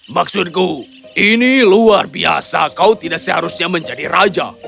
maksudku ini luar biasa kau tidak seharusnya menjadi raja